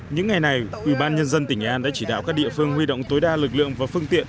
những ngày này ủy ban nhân dân tỉnh nghệ an đã chỉ đạo các địa phương huy động tối đa lực lượng và phương tiện